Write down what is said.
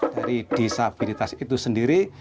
dari desabilitas itu sendiri